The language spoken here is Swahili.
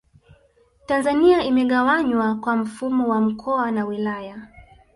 Tanzania imegawanywa kwa mfumo wa mkoa na wilaya